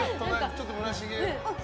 ちょっと村重。